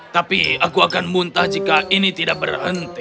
tapi aku akan muntah jika ini tidak berhenti